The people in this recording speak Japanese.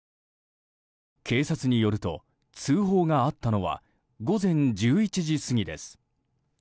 警察によると、通報があったのは午前１１時過ぎです。